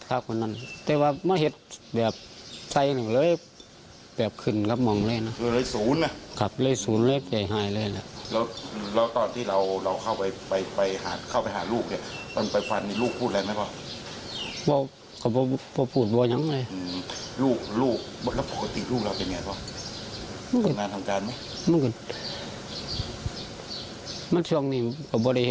เขาเมาหรือเปล่าเขาบอกแค่ว่าเขาก็ดื่มมา